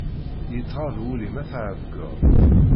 Yettɣaḍ wul-im ad t-ɛeggbeḍ.